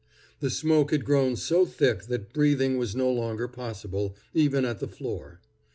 The smoke had grown so thick that breathing was no longer possible, even at the floor.